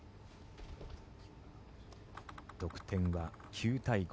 得点は９対５